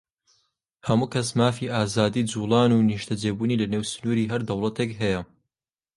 هەموو کەس مافی ئازادیی جووڵان و نیشتەجێبوونی لەنێو سنووری هەر دەوڵەتێک هەیە.